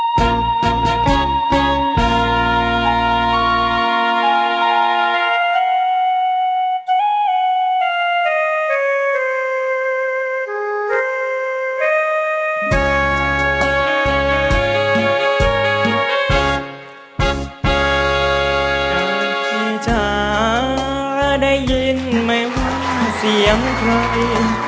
กลับที่จะได้ยินไม่ว่าเสียงใคร